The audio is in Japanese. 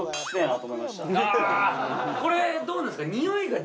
これどうなんですか？